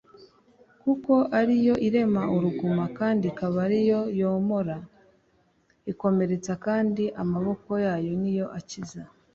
kuko ari yo irema uruguma, kandi akaba ari yo yomora, irakomeretsa, kandi amaboko yayo ni yo akiza